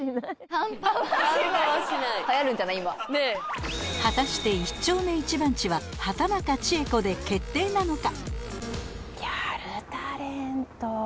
ハンパはしない果たして一丁目一番地は畑中千恵子で決定なのか？